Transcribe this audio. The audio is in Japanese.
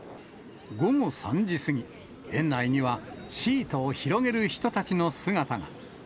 午後３時過ぎ、園内にはシートを広げる人たちの姿が。